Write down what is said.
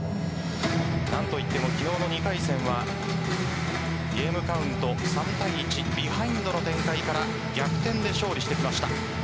何といっても昨日の２回戦はゲームカウント３対１ビハインドの展開から逆転で勝利していました。